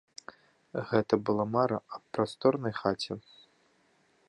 Гэта была мара аб прасторнай хаце.